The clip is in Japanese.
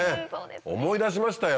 思い出しましたよ